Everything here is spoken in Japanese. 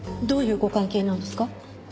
どういうご関係なんですか？